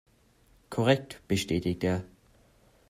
Korrekt, bestätigt er.